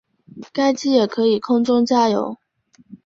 该机也可以空中加油。